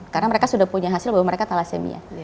karena mereka sudah punya hasil bahwa mereka talasemia